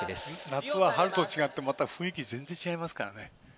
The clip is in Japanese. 夏は春と違ってまた雰囲気全然違いますからね。